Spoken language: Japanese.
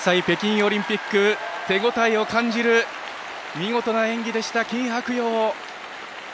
北京オリンピック手応えを感じる見事な演技でした金博洋。